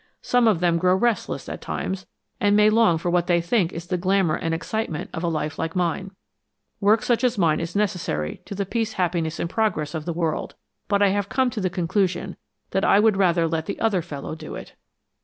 Some of them grow restless at times, and may long for what they think is the glamour and excitement of a life like mine. Work such as mine is necessary to the peace, happiness and progress of the world but I have come to the conclusion that I would rather let the other fellow do it."